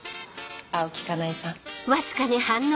青木香苗さん。